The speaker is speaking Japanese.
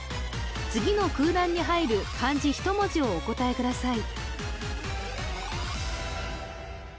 次の空欄に入る漢字１文字をお答えください